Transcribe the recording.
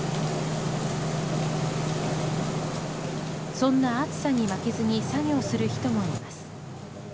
そんな暑さに負けずに作業する人もいます。